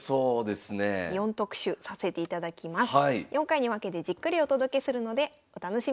４回に分けてじっくりお届けするのでお楽しみに。